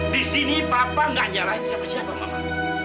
di sini papa nggak nyalahin siapa siapa mama